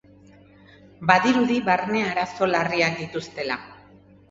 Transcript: Badirudi barne arazo larriak dituztela.